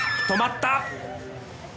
止まった！